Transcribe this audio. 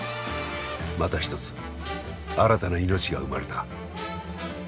また一つ新たな命が生まれた。